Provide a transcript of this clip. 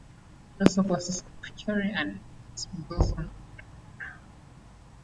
It also consists of cherry and peaches blossom area.